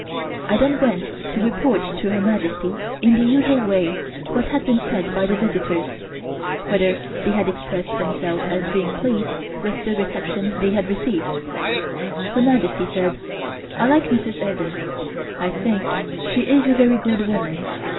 I then went to report to Her Majesty in the usual way what had been said by the visitors; whether they had expressed themselves as being pleased with the reception they had received. Her Majesty said: "I like Mrs. Evans. I think she is a very good woman.